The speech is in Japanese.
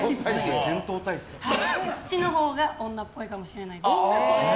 父のほうが女っぽいかもしれないです。